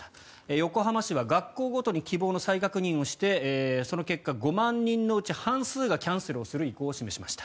横浜市は学校ごとに希望の再確認をしてその結果、５万人のうち半数がキャンセルをする意向を示しました。